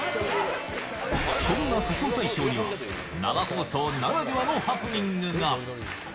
そんな仮装大賞には、生放送ならではのハプニングが。